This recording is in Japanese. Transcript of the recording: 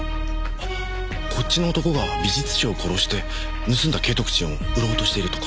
あっこっちの男が美術商を殺して盗んだ景徳鎮を売ろうとしているとか。